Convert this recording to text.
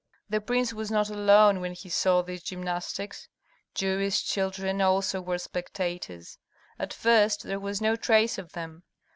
The prince was not alone when he saw these gymnastics; Jewish children also were spectators. At first there was no trace of them.